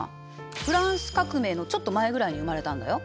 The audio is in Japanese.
フランス革命のちょっと前ぐらいに生まれたんだよ。